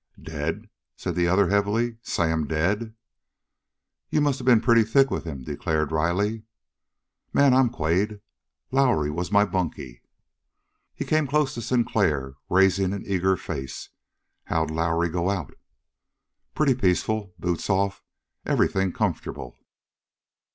"Dead!" said the other heavily. "Sam dead!" "You must of been pretty thick with him," declared Riley. "Man, I'm Quade. Lowrie was my bunkie!" He came close to Sinclair, raising an eager face. "How'd Lowrie go out?" "Pretty peaceful boots off everything comfortable."